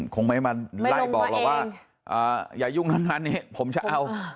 คงไม่มาไล่บอกเราว่าไม่ลงมาเองอ่าอย่ายุ่งน้ำนานนี้ผมจะเอา